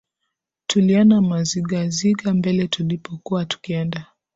Tuliona mazigaziga mbele tulipokuwa tukienda